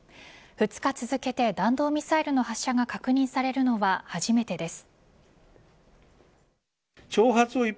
２日続けて弾道ミサイルの発射が確認されるのは初めてです。